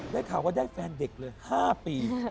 ได้ข่าวว่าได้แฟนเด็กเลย๕ปี